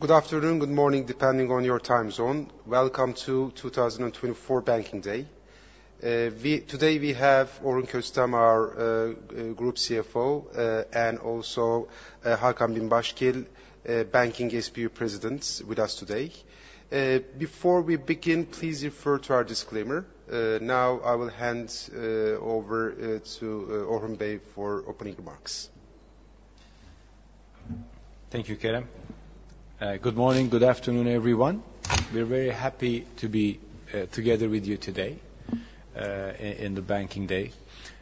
Good afternoon, good morning, depending on your time zone. Welcome to 2024 Banking Day. Today we have Orhun Köstem, our Group CFO, and also Hakan Binbaşgil, Banking SBU President, with us today. Before we begin, please refer to our disclaimer. Now I will hand over to Orhun Bey for opening remarks. Thank you, Kerem. Good morning, good afternoon, everyone. We're very happy to be together with you today in the Banking Day.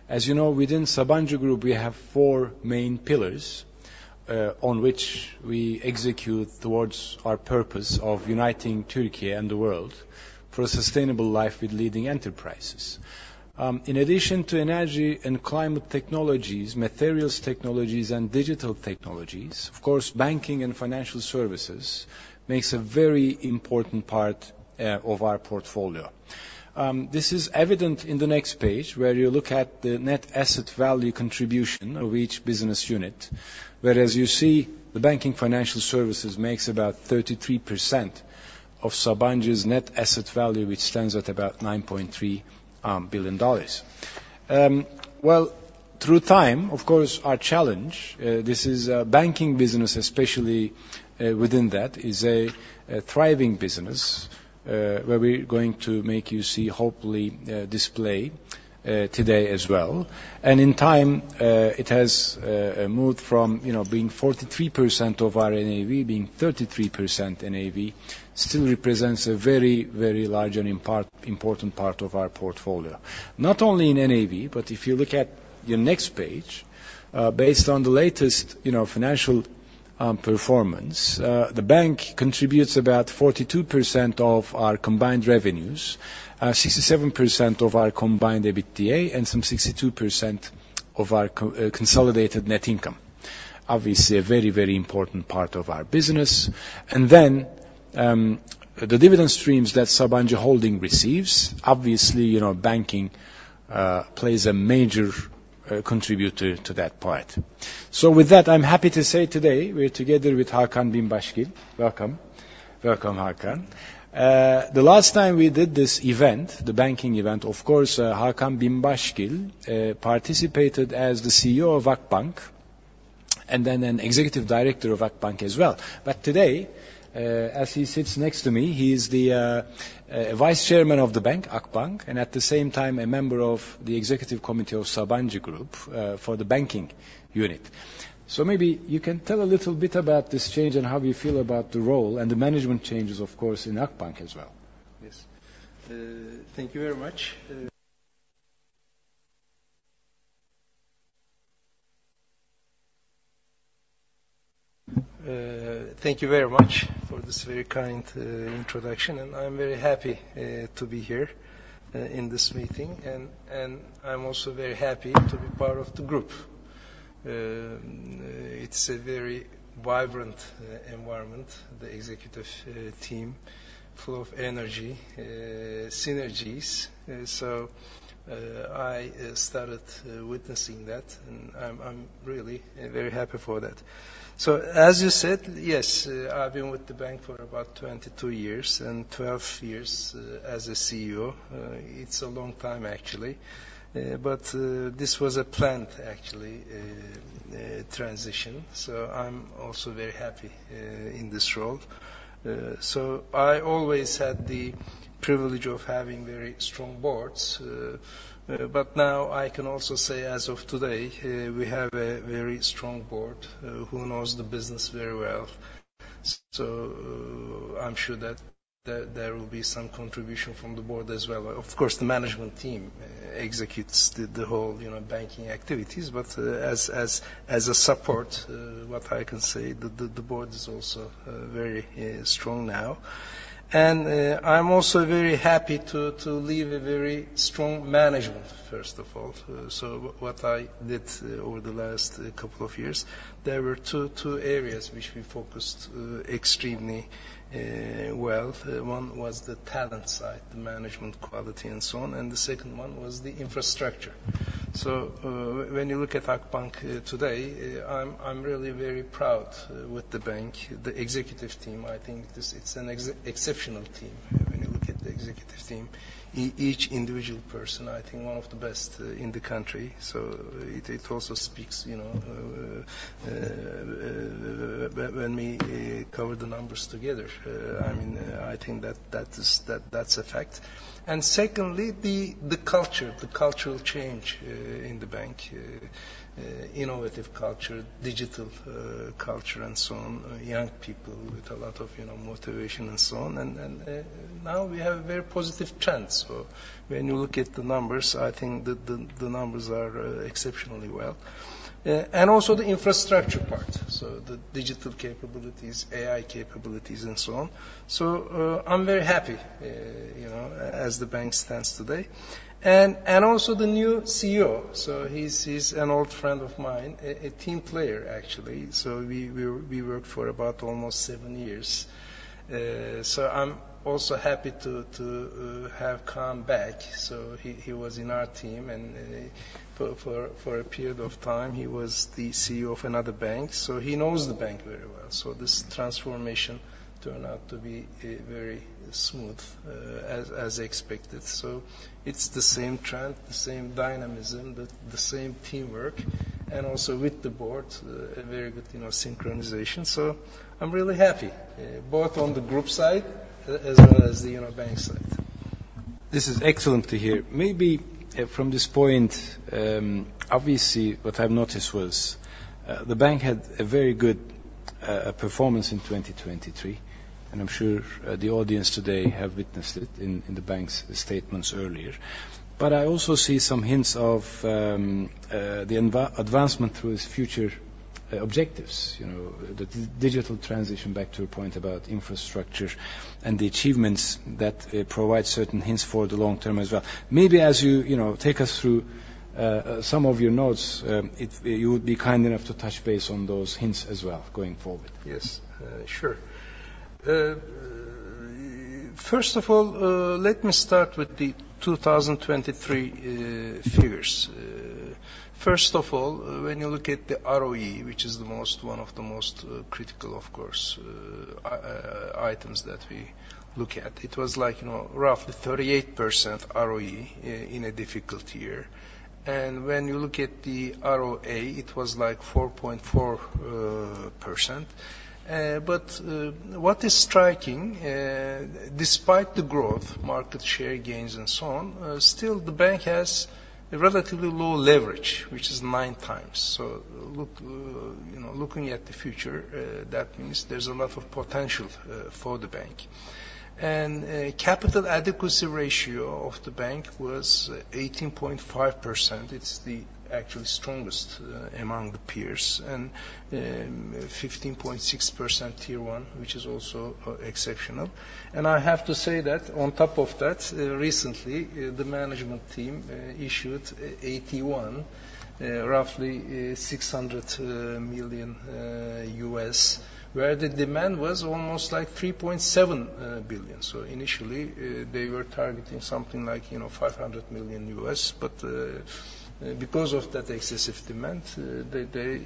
As you know, within Sabancı Group, we have four main pillars on which we execute towards our purpose of uniting Turkey and the world for a sustainable life with leading enterprises. In addition to energy and climate technologies, materials technologies, and digital technologies, of course, banking and financial services makes a very important part of our portfolio. This is evident in the next page, where you look at the net asset value contribution of each business unit. Whereas you see, the banking financial services makes about 33% of Sabancı's net asset value, which stands at about $9.3 billion. Well, through time, of course, our challenge, this is banking business, especially, within that, is a thriving business, where we're going to make you see, hopefully, display today as well. And in time, it has moved from, you know, being 43% of our NAV, being 33% NAV, still represents a very, very large and important part of our portfolio. Not only in NAV, but if you look at your next page, based on the latest, you know, financial performance, the bank contributes about 42% of our combined revenues, 67% of our combined EBITDA, and some 62% of our consolidated net income. Obviously, a very, very important part of our business. And then, the dividend streams that Sabancı Holding receives, obviously, you know, banking plays a major contributor to that part. So with that, I'm happy to say today, we're together with Hakan Binbaşgil. Welcome. Welcome, Hakan. The last time we did this event, the banking event, of course, Hakan Binbaşgil participated as the CEO of Akbank and then an Executive Director of Akbank as well. But today, as he sits next to me, he's the Vice Chairman of the bank, Akbank, and at the same time, a member of the Executive Committee of Sabancı Group for the banking unit. So maybe you can tell a little bit about this change and how you feel about the role and the management changes, of course, in Akbank as well. Yes. Thank you very much. Thank you very much for this very kind introduction, and I'm very happy to be here in this meeting, and I'm also very happy to be part of the group. It's a very vibrant environment, the executive team, full of energy, synergies. So I started witnessing that, and I'm really very happy for that. So, as you said, yes, I've been with the bank for about 22 years and 12 years as a CEO. It's a long time, actually, but this was a planned, actually, transition, so I'm also very happy in this role. So I always had the privilege of having very strong boards, but now I can also say, as of today, we have a very strong board, who knows the business very well. So, I'm sure that there will be some contribution from the board as well. Of course, the management team executes the whole, you know, banking activities, but, as a support, what I can say, the board is also very strong now. And, I'm also very happy to leave a very strong management, first of all. So what I did over the last couple of years, there were two areas which we focused extremely well. One was the talent side, the management quality and so on, and the second one was the infrastructure. So, when you look at Akbank today, I'm really very proud with the bank. The executive team, I think this—it's an exceptional team. When you look at the executive team, each individual person, I think, one of the best in the country. So it also speaks, you know, when we cover the numbers together, I mean, I think that, that is, that's a fact. And secondly, the culture, the cultural change in the bank. Innovative culture, digital culture and so on, young people with a lot of, you know, motivation and so on. And now we have a very positive trend. So when you look at the numbers, I think the numbers are exceptionally well. And also the infrastructure part, so the digital capabilities, AI capabilities, and so on. So, I'm very happy, you know, as the bank stands today. And also the new CEO, so he's an old friend of mine, a team player, actually. So we worked for about almost seven years. So I'm also happy to have come back. So he was in our team, and for a period of time, he was the CEO of another bank, so he knows the bank very well. So this transformation turned out to be very smooth, as expected. So it's the same trend, the same dynamism, the same teamwork, and also with the board, a very good, you know, synchronization. So I'm really happy, both on the group side as well as the bank side. This is excellent to hear. Maybe, from this point, obviously, what I've noticed was, the bank had a very good performance in 2023, and I'm sure, the audience today have witnessed it in, in the bank's statements earlier. But I also see some hints of, the advancement through its future objectives. You know, the digital transition back to a point about infrastructure and the achievements that, provide certain hints for the long term as well. Maybe as you, you know, take us through, some of your notes, if you would be kind enough to touch base on those hints as well going forward. Yes, sure. First of all, let me start with the 2023 figures. First of all, when you look at the ROE, which is the most—one of the most, critical, of course, items that we look at, it was like, you know, roughly 38% ROE in a difficult year. And when you look at the ROA, it was like 4.4%. But, what is striking, despite the growth, market share gains, and so on, still the bank has a relatively low leverage, which is 9 times. So look, you know, looking at the future, that means there's a lot of potential for the bank. And, capital adequacy ratio of the bank was 18.5%. It's actually the strongest among the peers, and 15.6% Tier 1, which is also exceptional. And I have to say that on top of that, recently the management team issued AT1 roughly $600 million, where the demand was almost like $3.7 billion. So initially they were targeting something like, you know, $500 million, but because of that excessive demand, they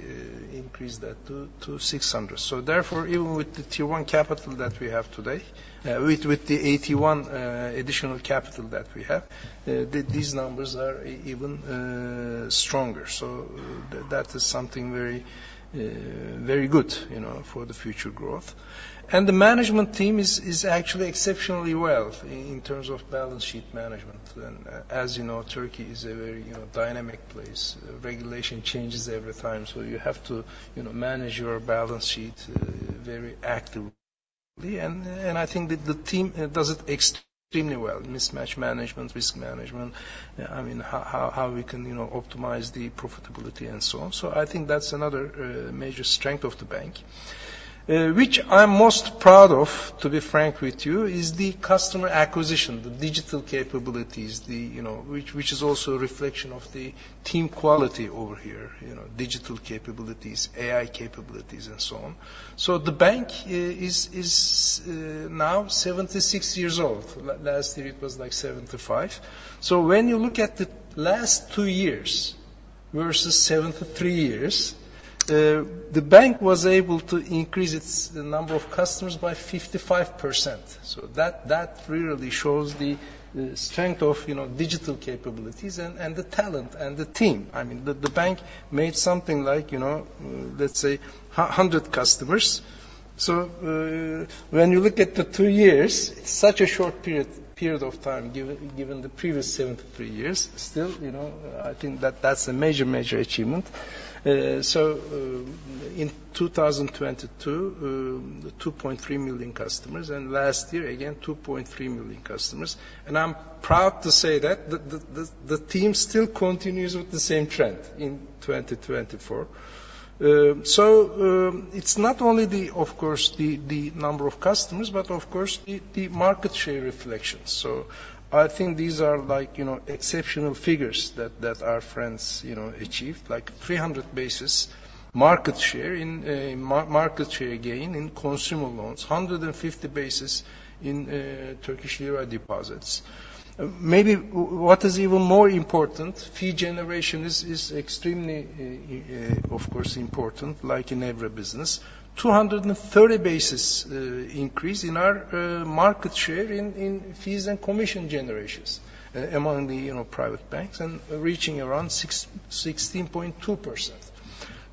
increased that to $600 million. So therefore, even with the Tier 1 capital that we have today, with the AT1 additional capital that we have, these numbers are even stronger. So that is something very very good, you know, for the future growth. The management team is actually exceptionally well in terms of balance sheet management. As you know, Turkey is a very, you know, dynamic place. Regulation changes every time, so you have to, you know, manage your balance sheet very actively. And I think the team does it extremely well. Mismatch management, risk management, I mean, how we can, you know, optimize the profitability and so on. So I think that's another major strength of the bank. Which I'm most proud of, to be frank with you, is the customer acquisition, the digital capabilities, you know, which is also a reflection of the team quality over here, you know, digital capabilities, AI capabilities, and so on. So the bank is now 76 years old. Last year, it was like 75. So when you look at the last two years versus 73 years, the bank was able to increase its number of customers by 55%. So that really shows the strength of, you know, digital capabilities and the talent and the team. I mean, the bank made something like, you know, let's say, a hundred customers. So when you look at the two years, such a short period of time, given the previous 73 years, still, you know, I think that that's a major, major achievement. In 2022, 2.3 million customers, and last year, again, 2.3 million customers. And I'm proud to say that the team still continues with the same trend in 2024. So, it's not only, of course, the number of customers, but of course, the market share reflections. So I think these are like, you know, exceptional figures that our friends, you know, achieved, like 300 basis market share in market share gain in consumer loans, 150 basis in Turkish lira deposits. Maybe what is even more important, fee generation is extremely, of course, important, like in every business. 230 basis increase in our market share in fees and commission generations among the, you know, private banks and reaching around 16.2%.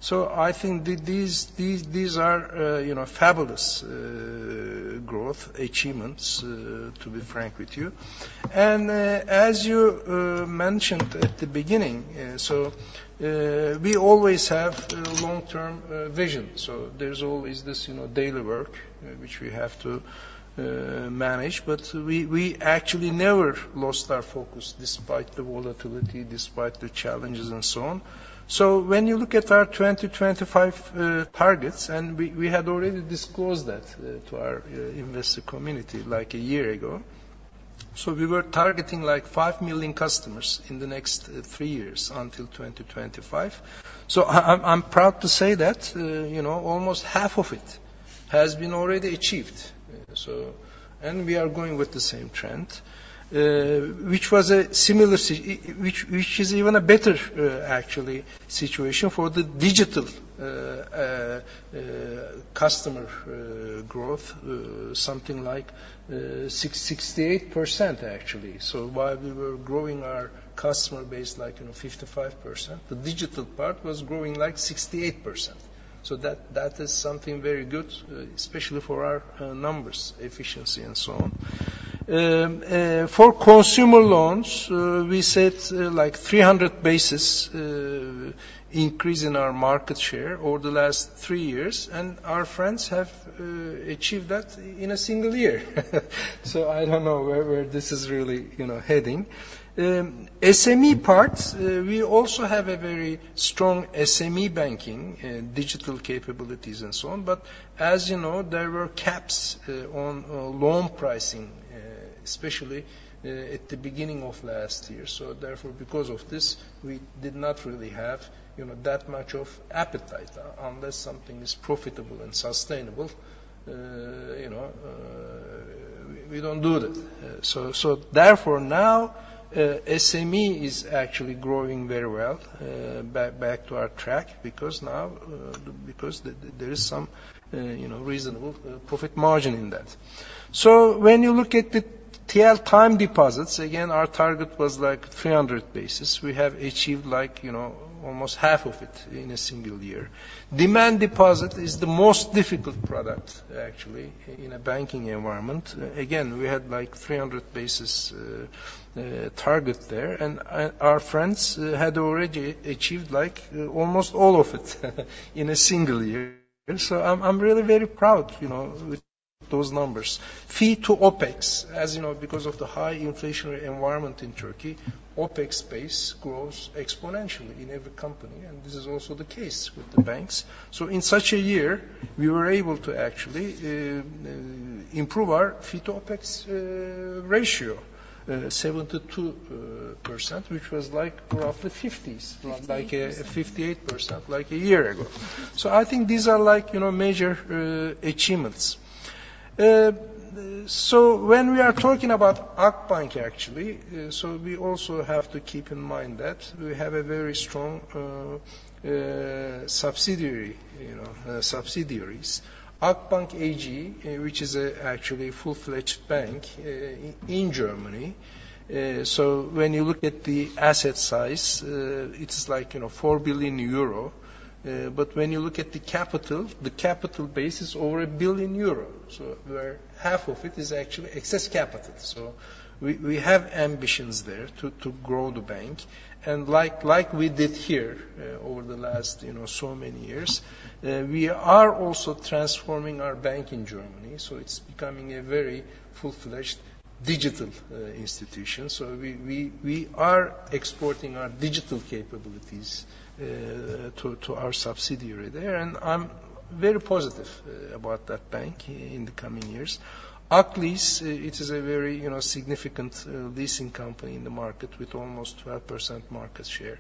So I think these are, you know, fabulous growth achievements, to be frank with you. As you mentioned at the beginning, so, we always have long-term vision. So there's always this, you know, daily work, which we have to manage, but we, we actually never lost our focus despite the volatility, despite the challenges, and so on. So when you look at our 2025 targets, and we, we had already disclosed that to our investor community, like a year ago. So we were targeting like 5 million customers in the next 3 years until 2025. So I, I'm, I'm proud to say that, you know, almost half of it has been already achieved. And we are going with the same trend, which is even a better, actually, situation for the digital customer growth, something like 68%, actually. So while we were growing our customer base, like, you know, 55%, the digital part was growing like 68%. So that is something very good, especially for our numbers, efficiency, and so on. For consumer loans, we set like 300 basis points increase in our market share over the last three years, and our friends have achieved that in a single year. So I don't know where this is really, you know, heading. SME parts, we also have a very strong SME banking digital capabilities, and so on. But as you know, there were caps on loan pricing, especially at the beginning of last year. So therefore, because of this, we did not really have, you know, that much of appetite. Unless something is profitable and sustainable, you know, we don't do that. So, so therefore, now, SME is actually growing very well, back to our track, because now, because the, there is some, you know, reasonable profit margin in that. So when you look at the TL time deposits, again, our target was like 300 basis. We have achieved like, you know, almost half of it in a single year. Demand deposit is the most difficult product, actually, in a banking environment. Again, we had like 300 basis target there, and our friends had already achieved like almost all of it in a single year. So I'm really very proud, you know, with those numbers. Fee to OpEx, as you know, because of the high inflationary environment in Turkey, OpEx base grows exponentially in every company, and this is also the case with the banks. So in such a year, we were able to actually improve our fee to OpEx ratio 72%, which was like roughly 50s, like 58% like a year ago. So I think these are like, you know, major achievements. So when we are talking about Akbank, actually, so we also have to keep in mind that we have a very strong subsidiary, you know, subsidiaries. Akbank AG, which is actually a full-fledged bank in Germany. So when you look at the asset size, it's like, you know, 4 billion euro, but when you look at the capital, the capital base is over 1 billion euro. So where half of it is actually excess capital. So we have ambitions there to grow the bank. And like we did here over the last, you know, so many years, we are also transforming our bank in Germany, so it's becoming a very full-fledged digital institution. So we are exporting our digital capabilities to our subsidiary there, and I'm very positive about that bank in the coming years. Aklease, it is a very, you know, significant leasing company in the market with almost 12% market share.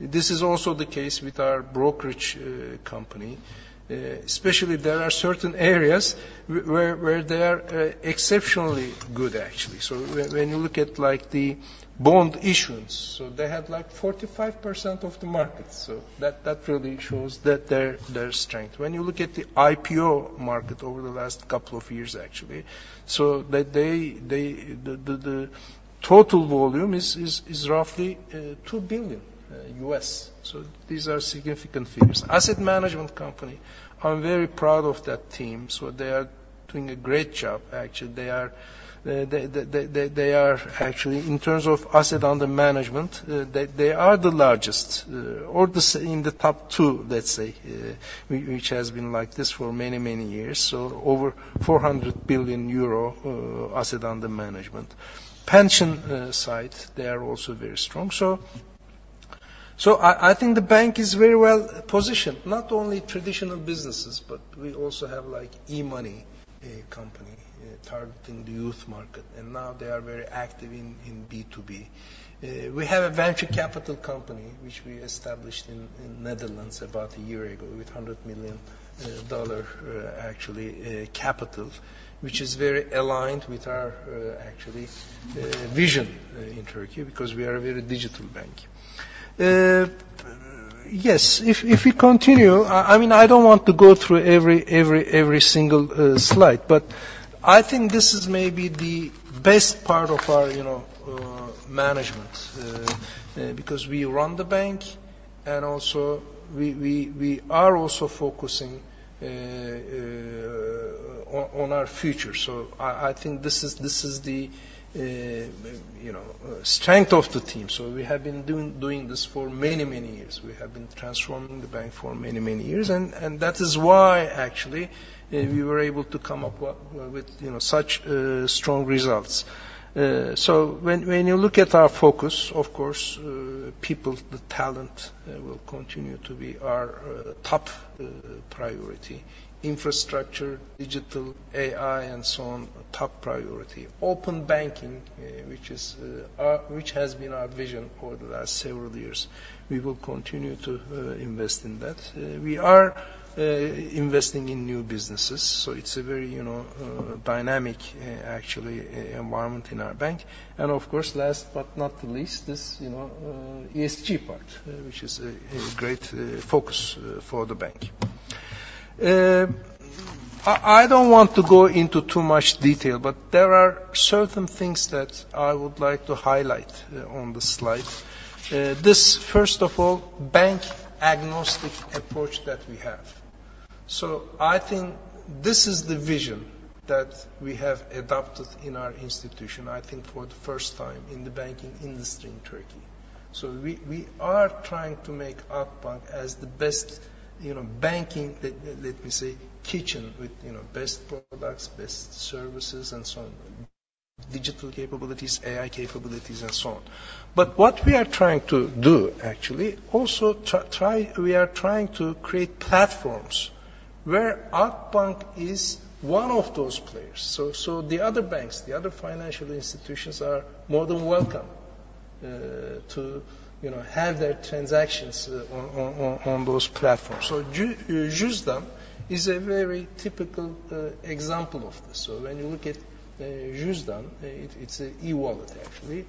This is also the case with our brokerage company. Especially, there are certain areas where they are exceptionally good, actually. So when you look at, like, the bond issuance, so they had, like, 45% of the market, so that really shows that their strength. When you look at the IPO market over the last couple of years, actually, so the total volume is roughly $2 billion. So these are significant figures. Asset management company, I'm very proud of that team. So they are doing a great job, actually. They are actually, in terms of asset under management, they are the largest or in the top two, let's say, which has been like this for many, many years. So over 400 billion euro asset under management. Pension side, they are also very strong. So I think the bank is very well positioned, not only traditional businesses, but we also have, like, e-money, a company targeting the youth market, and now they are very active in B2B. We have a venture capital company, which we established in Netherlands about a year ago, with $100 million actually capital, which is very aligned with our actually vision in Turkey, because we are a very digital bank. Yes, if we continue, I mean, I don't want to go through every single slide, but I think this is maybe the best part of our, you know, management, because we run the bank, and also we are also focusing on our future. So I think this is the, you know, strength of the team. So we have been doing this for many years. We have been transforming the bank for many years, and that is why actually we were able to come up with you know such strong results. So when you look at our focus, of course, people, the talent will continue to be our top priority. Infrastructure, digital, AI, and so on, top priority. Open Banking, which is, our-- which has been our vision for the last several years, we will continue to, invest in that. We are, investing in new businesses, so it's a very, you know, dynamic, actually, environment in our bank. And of course, last but not the least, this, you know, ESG part, which is a, a great, focus, for the bank. I, I don't want to go into too much detail, but there are certain things that I would like to highlight, on the slide. This, first of all, bank agnostic approach that we have. So I think this is the vision that we have adopted in our institution, I think for the first time in the banking industry in Turkey. So we are trying to make Akbank as the best, you know, banking, let me say, kitchen with, you know, best products, best services, and so on. Digital capabilities, AI capabilities, and so on. But what we are trying to do, actually, also we are trying to create platforms where Akbank is one of those players. So the other banks, the other financial institutions, are more than welcome to, you know, have their transactions on those platforms. So Juzdan is a very typical example of this. So when you look at Juzdan, it's an e-wallet, actually.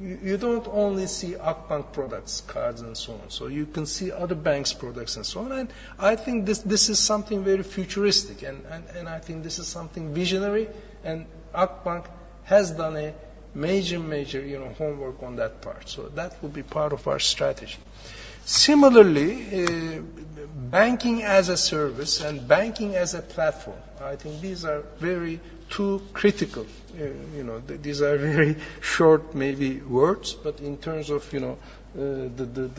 You don't only see Akbank products, cards, and so on. So you can see other banks' products and so on, and I think this is something very futuristic, and I think this is something visionary, and Akbank has done a major, major, you know, homework on that part. So that will be part of our strategy. Similarly, Banking as a Service and Banking as a Platform, I think these are very two critical, you know, these are very short maybe words, but in terms of, you know, the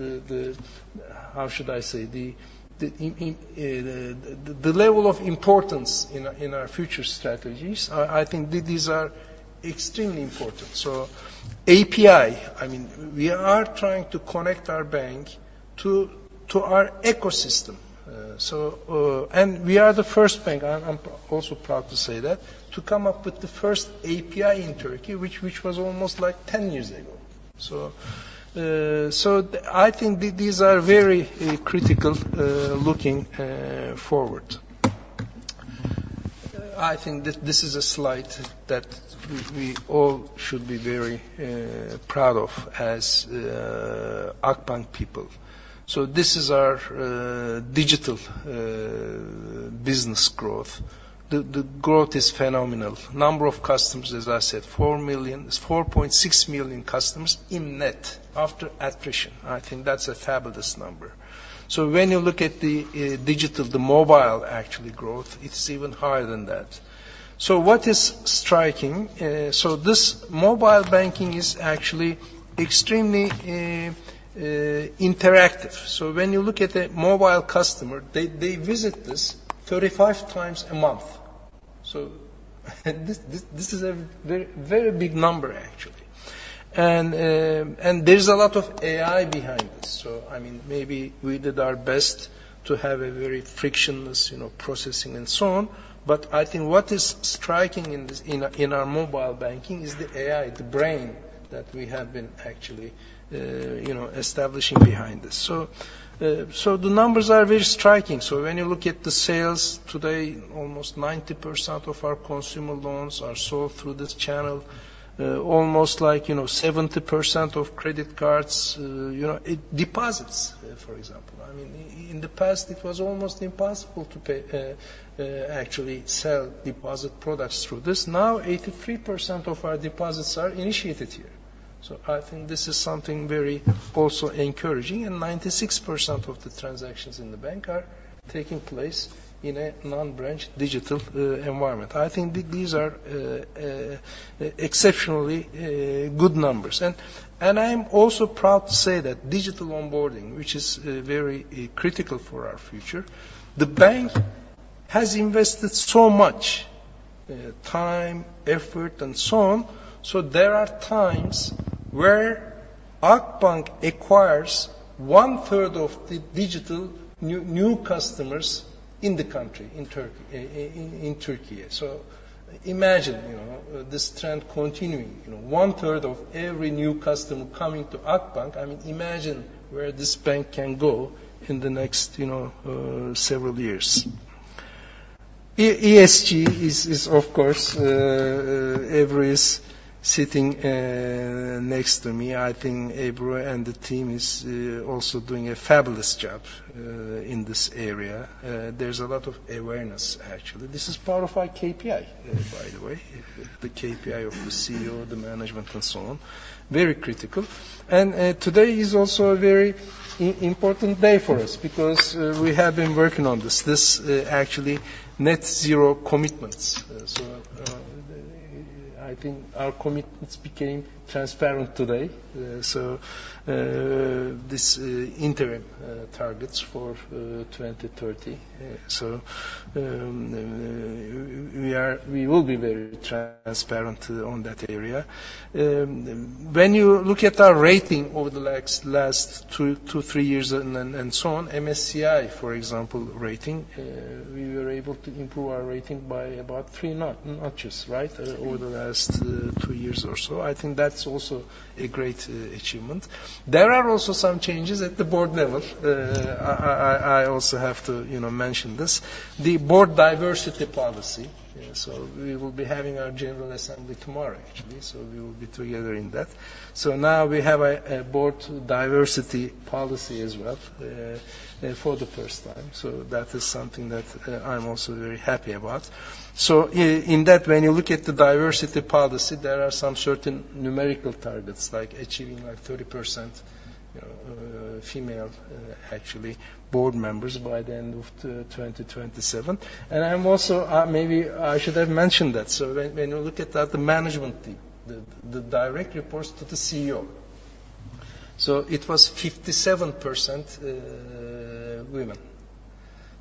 level of importance in our future strategies, I think these are extremely important. So API, I mean, we are trying to connect our bank to our ecosystem, so. We are the first bank, I'm also proud to say that, to come up with the first API in Turkey, which was almost like 10 years ago. So I think these are very critical looking forward. I think this is a slide that we all should be very proud of as Akbank people. So this is our digital business growth. The growth is phenomenal. Number of customers, as I said, 4 million, is 4.6 million customers in net after attrition. I think that's a fabulous number. So when you look at the digital, the mobile actually growth, it's even higher than that. So what is striking? So this mobile banking is actually extremely interactive. So when you look at a mobile customer, they visit this 35 times a month. So this is a very, very big number, actually. And there's a lot of AI behind this. So I mean, maybe we did our best to have a very frictionless, you know, processing and so on. But I think what is striking in this, in our mobile banking is the AI, the brain, that we have been actually, you know, establishing behind this. So the numbers are very striking. So when you look at the sales today, almost 90% of our consumer loans are sold through this channel, almost like, you know, 70% of credit cards, you know, Deposits, for example, I mean, in the past, it was almost impossible to actually sell deposit products through this. Now, 83% of our deposits are initiated here. So I think this is something very also encouraging, and 96% of the transactions in the bank are taking place in a non-branch digital environment. I think these are exceptionally good numbers. And I'm also proud to say that digital onboarding, which is very critical for our future, the bank has invested so much time, effort, and so on. So there are times where Akbank acquires one third of the digital new customers in the country, in Turkey, in Türkiye. So imagine, you know, this trend continuing, you know, one third of every new customer coming to Akbank, I mean, imagine where this bank can go in the next, you know, several years. ESG is, of course, Ebru Güvenir is sitting next to me. I think Ebru Güvenir and the team is also doing a fabulous job in this area. There's a lot of awareness actually. This is part of our KPI, by the way, the KPI of the CEO, the management, and so on. Very critical. And today is also a very important day for us because we have been working on this, this actually Net Zero commitments. So-... I think our commitments became transparent today, so this interim targets for 2030. So, we will be very transparent on that area. When you look at our rating over the last two to three years and so on, MSCI, for example, rating, we were able to improve our rating by about three notches, right? Over the last two years or so. I think that's also a great achievement. There are also some changes at the board level. I also have to, you know, mention this, the board diversity policy. So we will be having our General Assembly tomorrow, actually, so we will be together in that. So now we have a board diversity policy as well, for the first time. So that is something that I'm also very happy about. So in that, when you look at the diversity policy, there are some certain numerical targets, like achieving, like, 30%, you know, female, actually, board members by the end of 2027. And I'm also, maybe I should have mentioned that. So when you look at that, the management team, the direct reports to the CEO, so it was 57%, women.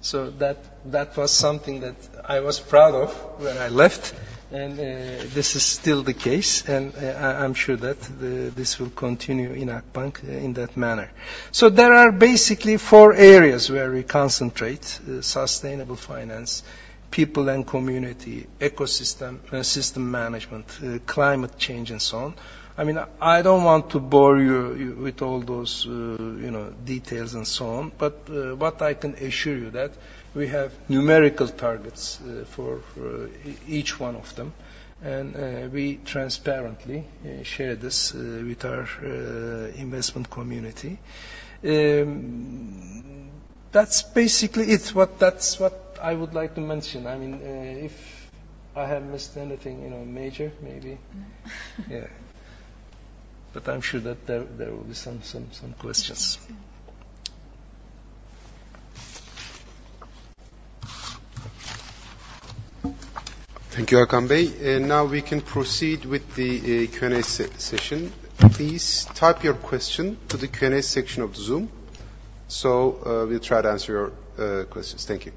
So that was something that I was proud of when I left, and this is still the case, and I, I'm sure that this will continue in Akbank in that manner. So there are basically four areas where we concentrate: sustainable finance, people and community, ecosystem, system management, climate change, and so on. I mean, I don't want to bore you, you, with all those, you know, details and so on, but, what I can assure you that we have numerical targets, for, for each one of them, and, we transparently, share this, with our, investment community. That's basically it. What-- That's what I would like to mention. I mean, if I have missed anything, you know, major, maybe? Yeah. But I'm sure that there, there will be some, some, some questions. Thank you, Hakan Bey. And now we can proceed with the, Q&A session. Please type your question to the Q&A section of the Zoom. So, we'll try to answer your, questions. Thank you.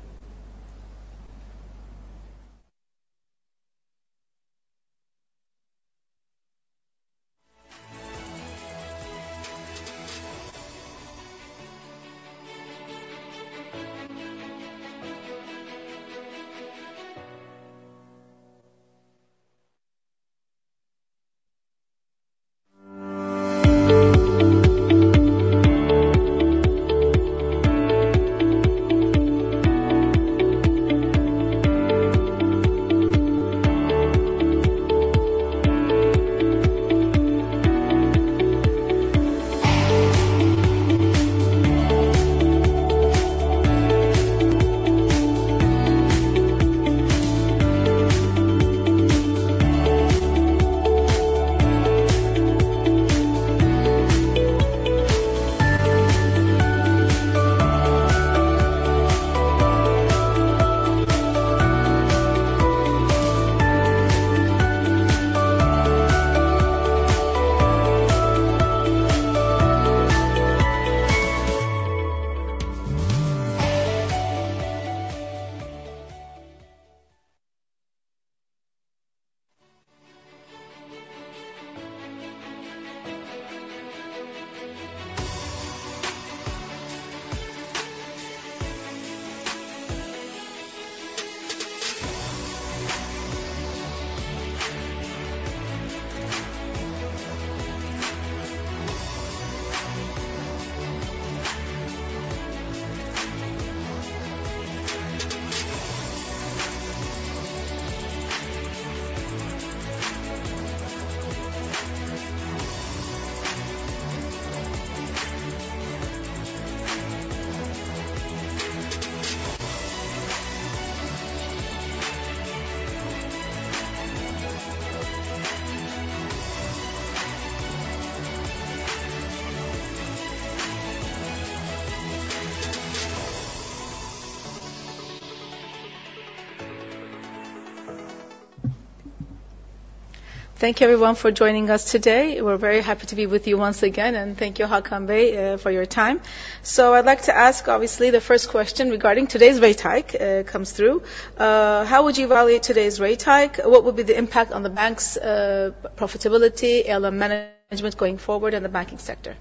Thank you, everyone, for joining us today. We're very happy to be with you once again, and thank you, Hakan Bey, for your time. So I'd like to ask, obviously, the first question regarding today's rate hike comes through. How would you evaluate today's rate hike? What would be the impact on the bank's profitability, ALM management going forward, and the banking sector?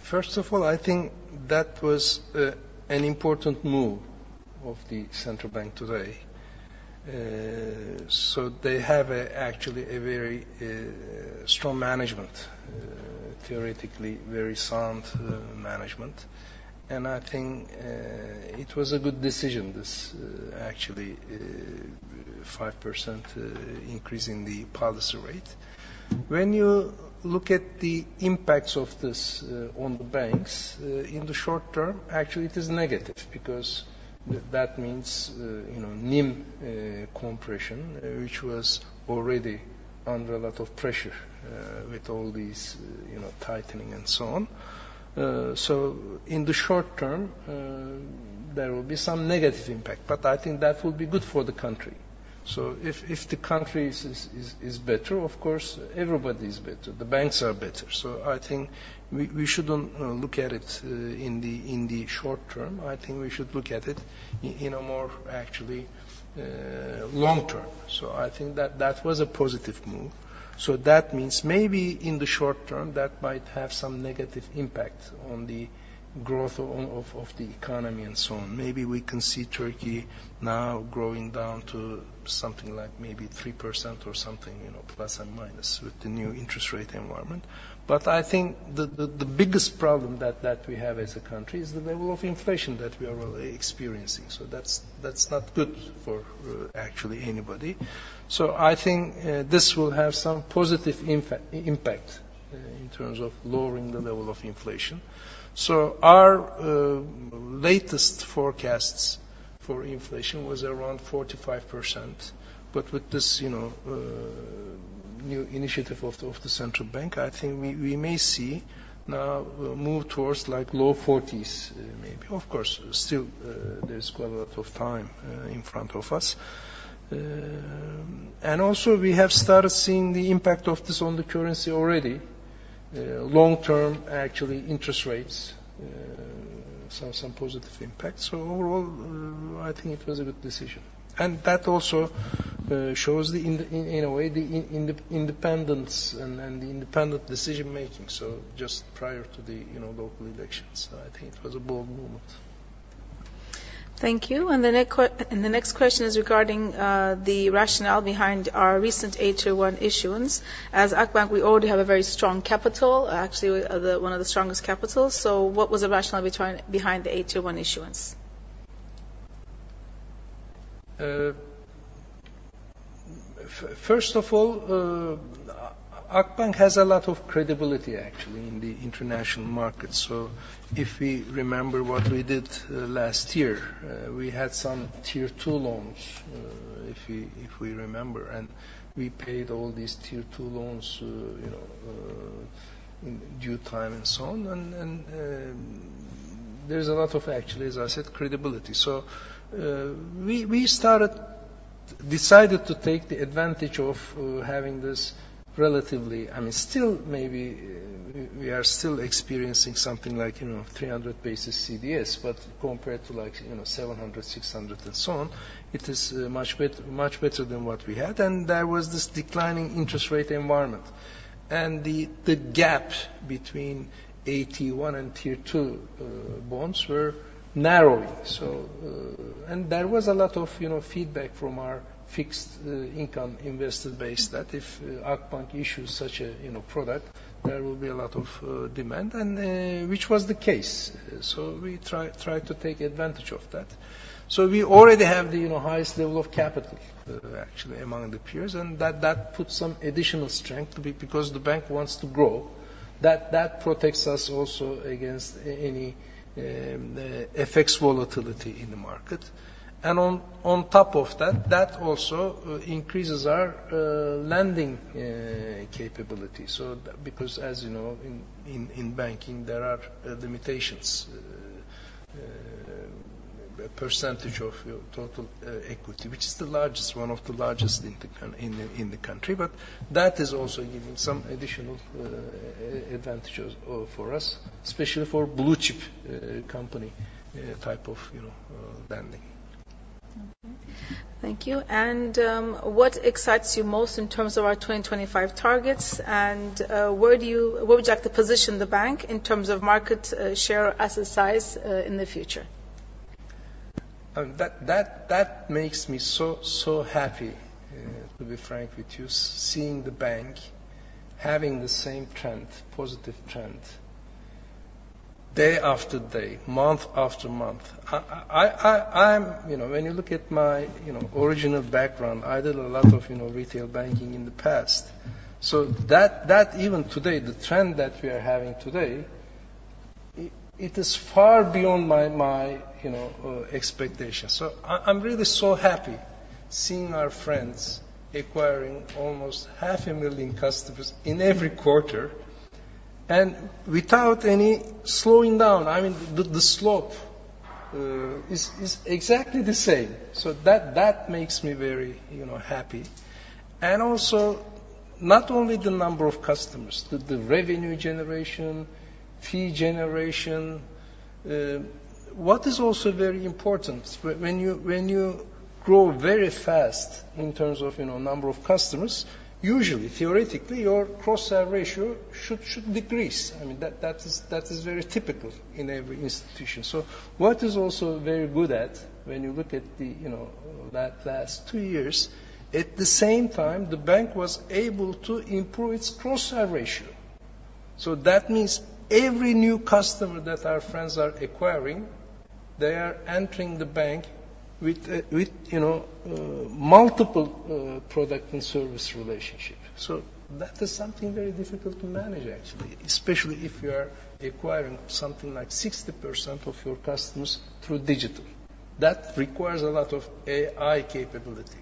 First of all, I think that was an important move of the central bank today. So they have actually a very strong management, theoretically, very sound management. And I think it was a good decision, this actually 5% increase in the policy rate. When you look at the impacts of this on the banks in the short term, actually, it is negative, because that means, you know, NIM compression, which was already under a lot of pressure with all these, you know, tightening and so on. So in the short term there will be some negative impact, but I think that will be good for the country. So if the country is better, of course, everybody is better, the banks are better. So I think we shouldn't look at it in the short term. I think we should look at it in a more actually long term. So I think that was a positive move. So that means maybe in the short term, that might have some negative impact on the growth of the economy and so on. Maybe we can see Turkey now growing down to something like maybe 3% or something, you know, plus and minus, with the new interest rate environment. But I think the biggest problem that we have as a country is the level of inflation that we are really experiencing. So that's not good for actually anybody. So I think this will have some positive impact in terms of lowering the level of inflation. So our latest forecasts for inflation was around 45%. But with this, you know, new initiative of the central bank, I think we may see now move towards like low 40s%, maybe. Of course, still, there's quite a lot of time in front of us. And also we have started seeing the impact of this on the currency already. Long term, actually, interest rates, some positive impacts. So overall, I think it was a good decision. And that also shows the, in a way, the independence and the independent decision-making, so just prior to the, you know, local elections. So I think it was a bold movement. Thank you. The next question is regarding the rationale behind our recent AT1 issuance. As Akbank, we already have a very strong capital, actually, the one of the strongest capitals. So what was the rationale behind the AT1 issuance? First of all, Akbank has a lot of credibility, actually, in the international market. So if we remember what we did last year, we had some Tier 2 loans, if we remember, and we paid all these Tier 2 loans, you know, in due time and so on. And there's a lot of actually, as I said, credibility. So we decided to take the advantage of having this relatively, I mean, still, maybe we are still experiencing something like, you know, 300 basis CDS, but compared to, like, you know, 700, 600, and so on, it is much better than what we had. And there was this declining interest rate environment. And the gap between AT1 and Tier 2 bonds were narrowing. So... There was a lot of, you know, feedback from our fixed income investor base, that if Akbank issues such a, you know, product, there will be a lot of demand, and which was the case. So we tried to take advantage of that. So we already have the, you know, highest level of capital, actually, among the peers, and that puts some additional strength because the bank wants to grow. That protects us also against any FX volatility in the market. And on top of that, that also increases our lending capability. So because, as you know, in banking, there are limitations, percentage of your total equity, which is the largest, one of the largest in the country. But that is also giving some additional advantages for us, especially for blue chip company type of, you know, lending. Okay. Thank you. And what excites you most in terms of our 2025 targets? And where would you like to position the bank in terms of market share, asset size, in the future? That makes me so happy, to be frank with you, seeing the bank having the same trend, positive trend, day after day, month after month. You know, when you look at my original background, I did a lot of retail banking in the past. So that even today, the trend that we are having today, it is far beyond my expectations. So I'm really so happy seeing our friends acquiring almost 500,000 customers in every quarter and without any slowing down. I mean, the slope is exactly the same. So that makes me very happy. And also, not only the number of customers, the revenue generation, fee generation. What is also very important, when you grow very fast in terms of, you know, number of customers, usually, theoretically, your cross-sell ratio should decrease. I mean, that is very typical in every institution. So what is also very good at, when you look at the, you know, that last two years, at the same time, the bank was able to improve its cross-sell ratio. So that means every new customer that our friends are acquiring, they are entering the bank with a, with, you know, multiple product and service relationship. So that is something very difficult to manage actually, especially if you are acquiring something like 60% of your customers through digital. That requires a lot of AI capability.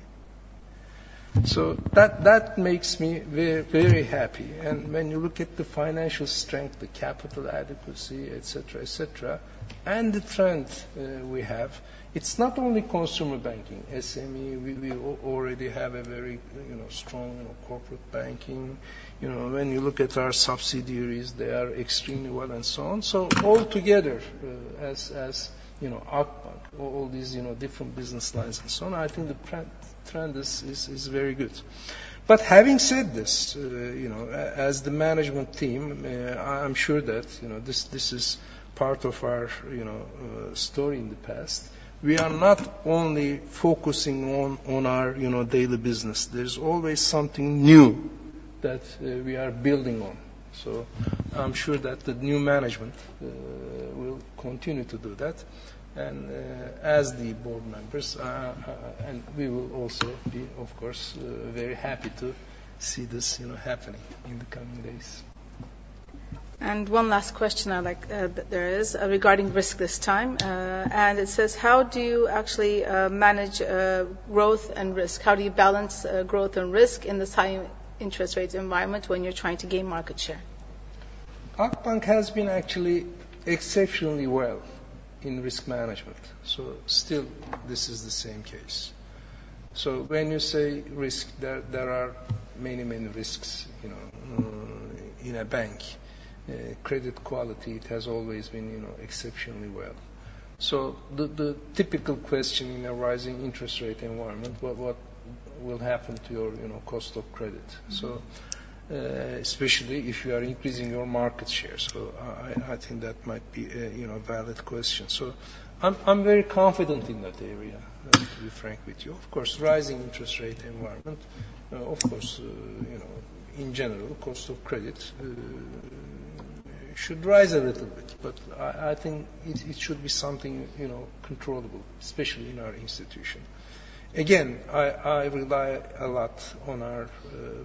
So that makes me very, very happy. When you look at the financial strength, the capital adequacy, et cetera, et cetera, and the trend, we have, it's not only consumer banking, SME, we already have a very, you know, strong corporate banking. You know, when you look at our subsidiaries, they are extremely well and so on. So all together, as you know, Akbank, all these, you know, different business lines and so on, I think the trend is very good. But having said this, you know, as the management team, I'm sure that, you know, this, this is part of our, you know, story in the past. We are not only focusing on our, you know, daily business, there's always something new that we are building on. So I'm sure that the new management will continue to do that. As the board members and we will also be, of course, very happy to see this, you know, happening in the coming days. One last question I'd like, that there is, regarding risk this time. It says: How do you actually manage growth and risk? How do you balance growth and risk in this high interest rate environment when you're trying to gain market share? Akbank has been actually exceptionally well in risk management, so still, this is the same case. So when you say risk, there, there are many, many risks, you know, in a bank. Credit quality, it has always been, you know, exceptionally well. So the, the typical question in a rising interest rate environment, what, what will happen to your, you know, cost of credit? So, especially if you are increasing your market share. So I, I think that might be a, you know, valid question. So I'm, I'm very confident in that area, to be frank with you. Of course, rising interest rate environment, of course, you know, in general, cost of credit should rise a little bit, but I, I think it, it should be something, you know, controllable, especially in our institution. Again, I rely a lot on our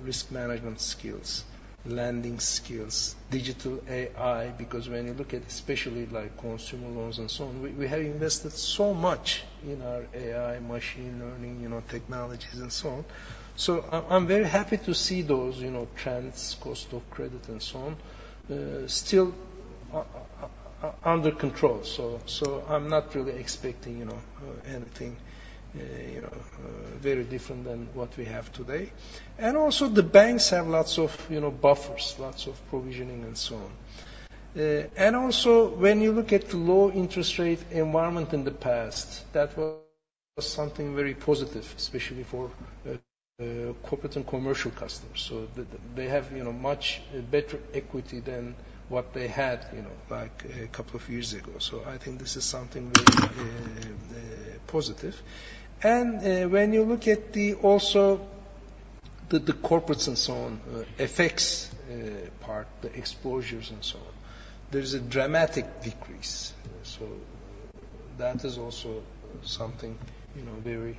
risk management skills, lending skills, digital AI, because when you look at especially like consumer loans and so on, we have invested so much in our AI, machine learning, you know, technologies and so on. So I'm very happy to see those, you know, trends, cost of credit and so on, still under control. So I'm not really expecting, you know, anything, you know, very different than what we have today. And also, the banks have lots of, you know, buffers, lots of provisioning and so on. And also, when you look at the low interest rate environment in the past, that was something very positive, especially for corporate and commercial customers, so they have, you know, much better equity than what they had, you know, back a couple of years ago. So I think this is something very positive. And when you look at the corporates and so on, FX exposures and so on, there is a dramatic decrease. So that is also something, you know, very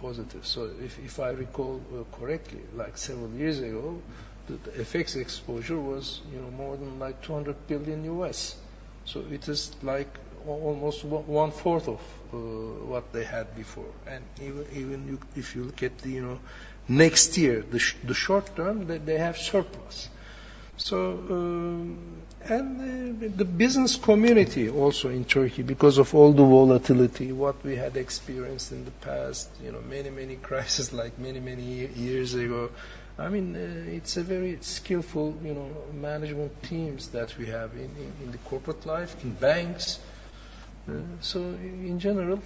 positive. So if I recall correctly, like several years ago, the FX exposure was, you know, more than, like, $200 billion. So it is, like, almost one fourth of what they had before. Even you, if you look at the, you know, next year, the short term, they have surplus. So, the business community also in Turkey, because of all the volatility, what we had experienced in the past, you know, many, many crises, like many, many years ago, I mean, it's a very skillful, you know, management teams that we have in the corporate life, in banks. So in general,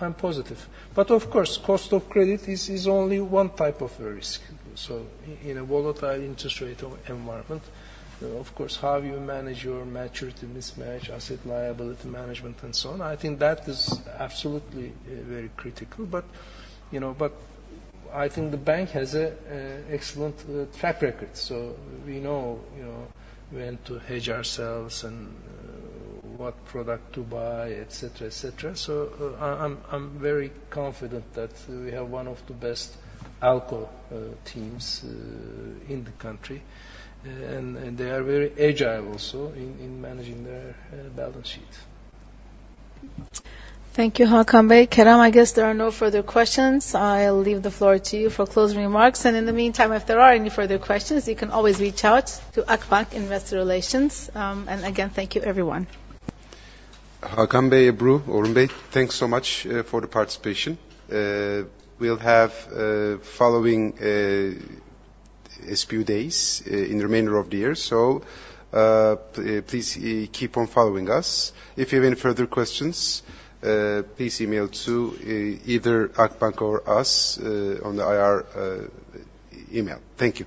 I'm positive. But of course, cost of credit is only one type of a risk. So in a volatile interest rate environment, of course, how you manage your maturity mismatch, asset liability management, and so on, I think that is absolutely very critical. But you know, I think the bank has an excellent track record, so we know, you know, when to hedge ourselves and what product to buy, et cetera, et cetera. So I'm very confident that we have one of the best ALCO teams in the country and they are very agile also in managing their balance sheet. Thank you, Hakan Bey. Kerem, I guess there are no further questions. I'll leave the floor to you for closing remarks, and in the meantime, if there are any further questions, you can always reach out to Akbank Investor Relations. And again, thank you, everyone. Hakan Bey, Ebru, Orhun Bey, thanks so much for the participation. We'll have following few days in the remainder of the year, so please keep on following us. If you have any further questions, please email to either Akbank or us on the IR email. Thank you.